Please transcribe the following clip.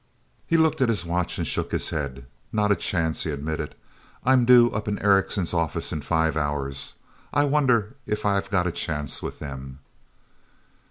He looked at his watch and shook his head. "Not a chance," he admitted. "I'm due up in Erickson's office in five hours. I wonder if I've got a chance with them...."